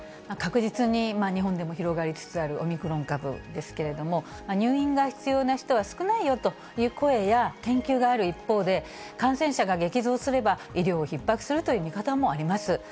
確実に日本でも広がりつつあるオミクロン株ですけれども、入院が必要な人は少ないよという声や研究がある一方で、感染者が激増すれば、医療をひっ迫するという見方もあります。